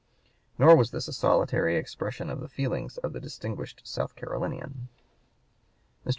Nor was this a solitary expression of the feelings of the distinguished South Carolinian. Mr.